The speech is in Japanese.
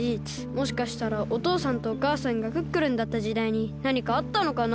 もしかしたらおとうさんとおかあさんがクックルンだったじだいになにかあったのかな？